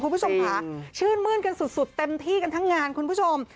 คุณผู้ชมค่ะชื่นมื้นกันสุดเต็มที่กันทั้งงานคุณผู้ชม